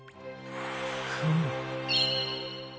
フム。